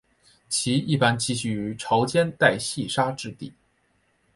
其一般栖息于潮间带细砂质底。